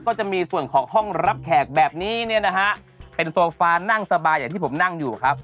ก็จะมีส่วนของห้องรับแขกแบบนี้เนี่ยนะฮะเป็นโซฟานั่งสบายอย่างที่ผมนั่งอยู่ครับ